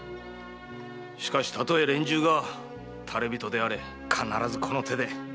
しかしたとえ連中が誰人であれ必ずこの手で。